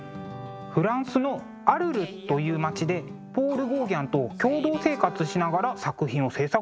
フランスのアルルという町でポール・ゴーギャンと共同生活しながら作品を制作したのですね。